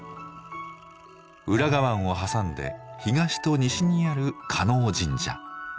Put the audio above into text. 浦賀湾を挟んで東と西にある叶神社。